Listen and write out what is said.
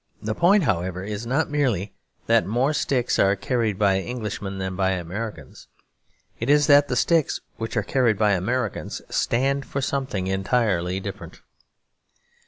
The point, however, is not merely that more sticks are carried by Englishmen than by Americans; it is that the sticks which are carried by Americans stand for something entirely different.